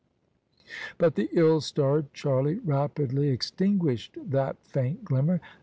But the ill starred Charlie rapidly extinguished that faint glimmer.